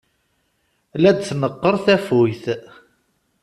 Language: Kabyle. La d-tneqqer tafukt.